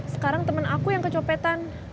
sekarang temen aku yang kecopetan